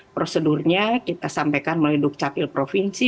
prosedurnya kita sampaikan melalui dukcapil provinsi